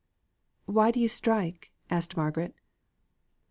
"Why do you strike?" asked Margaret.